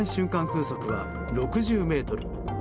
風速は６０メートル。